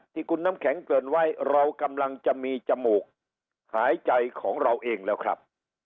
ที่คุณน้ำแข็งเกินไว้เรากำลังจะมีจมูกหายใจของเราเองแล้วครับ